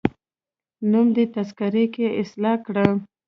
نوم دي تذکره کي اصلاح کړه